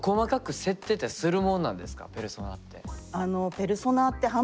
ペルソナって。